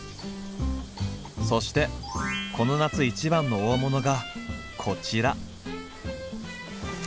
そしてこの夏いちばんの大物がこちら。